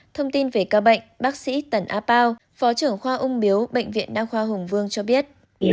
thông tin về ca bệnh bác sĩ tần a pao phó trưởng khoa ung biếu bệnh viện đa khoa hùng vương cho biết